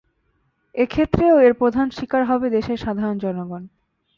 এ ক্ষেত্রেও এর প্রধান শিকার হবে দেশের সাধারণ জনগণ।